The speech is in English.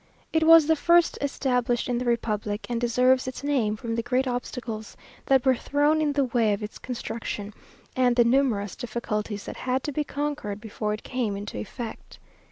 It was the first established in the republic, and deserves its name from the great obstacles that were thrown in the way of its construction, and the numerous difficulties that had to be conquered before it came into effect.